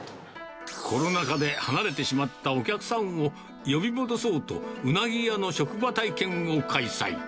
コロナ禍で離れてしまったお客さんを呼び戻そうと、うなぎ屋の職場体験を開催。